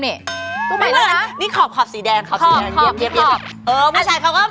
นี่ขอบสีแดนยีกเหมือนเหมือน